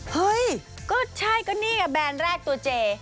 เฮ้ยก็ใช่ก็นี่ไงแบรนด์แรกตัวเจ